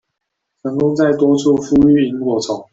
成功在多處復育螢火蟲